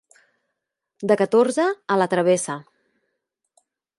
De catorze a la travessa.